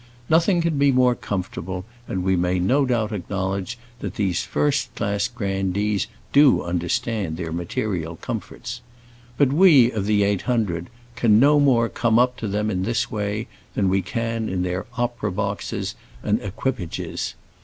Nothing can be more comfortable, and we may no doubt acknowledge that these first class grandees do understand their material comforts. But we of the eight hundred can no more come up to them in this than we can in their opera boxes and equipages.